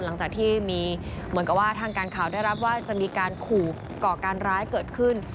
หลังจากที่มีเหมือนกับว่าทางการข่าวได้รับว่าจะมีการขู่ก่อการร้ายเกิดขึ้น